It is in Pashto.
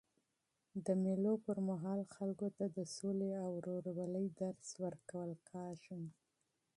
د مېلو پر مهال خلکو ته د سولي او ورورولۍ درس ورکول کېږي.